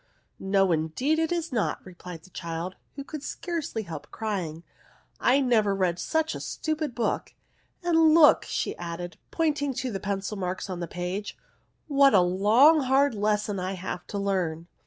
" No indeed it is not," replied the child, who could scarcely help crying ;" I never read such a stupid book ; and look," added she, pointing to the pencil marks on the page, " what a long hard lesson I have to learn